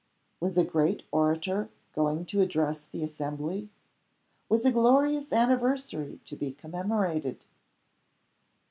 Was a great orator going to address the assembly? Was a glorious anniversary to be commemorated?